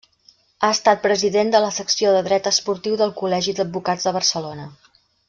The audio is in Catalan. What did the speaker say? Ha estat president de la secció de Dret esportiu del Col·legi d'Advocats de Barcelona.